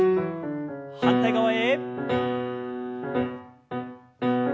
反対側へ。